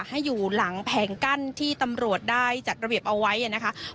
ให้อยู่หลังแผงกั้นที่ตำรวจได้จัดระเบียบเอาไว้นะคะ